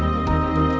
ngapain ke sini